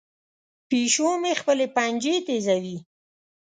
پیشو مې خپلې پنجې تیزوي.